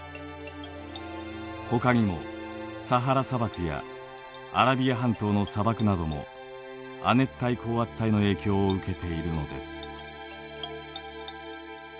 ほかにもサハラ砂漠やアラビア半島の砂漠なども亜熱帯高圧帯の影響を受けているのです。